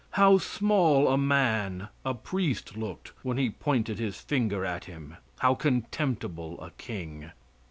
How small a man a priest looked when he pointed his finger at him; how contemptible a king.